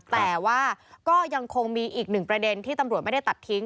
แต่ว่าก็ยังคงมีอีกหนึ่งประเด็นที่ตำรวจไม่ได้ตัดทิ้ง